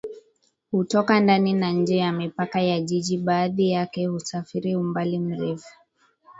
hutoka ndani na nje ya mipaka ya jiji baadhi yake husafiri umbali mrefu